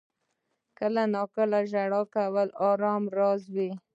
• کله ناکله ژړا کول د آرام راز وي.